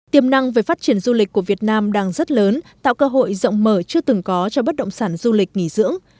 tiềm năng về phát triển du lịch của việt nam đang rất lớn tạo cơ hội rộng mở chưa từng có cho bất động sản du lịch nghỉ dưỡng